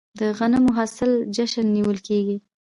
د غنمو د حاصل جشن نیول کیږي.